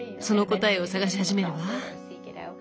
その答えを探し始めるわ。